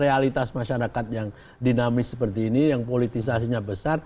realitas masyarakat yang dinamis seperti ini yang politisasinya besar